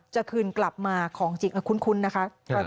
จะคืนกลับมาของจริงคุ้นนะคะ